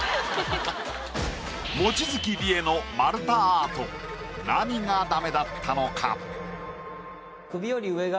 望月理恵の丸太アート何がダメだったのか？